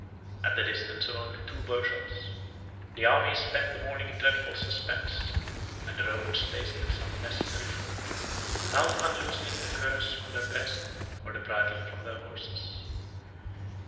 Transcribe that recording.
At the distance only of two bow shots, the armies spent the morning in dreadful suspense, and the Romans tasted some necessary food, without unloosing the cuirass from their breast, or the bridle from their horses.